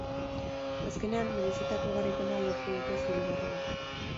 Azkenean, merezitako garaipena lortu dute zuri-gorriek.